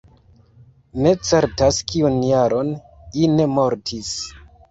Ne certas kiun jaron Ine mortis.